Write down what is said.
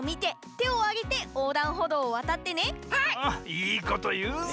いいこというぜ！